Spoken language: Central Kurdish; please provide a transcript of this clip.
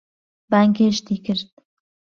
بانگێشتی کرد.